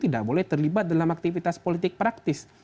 tidak boleh terlibat dalam aktivitas politik praktis